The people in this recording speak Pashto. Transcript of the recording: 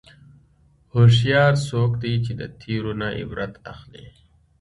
هوښیار څوک دی چې د تېرو نه عبرت اخلي.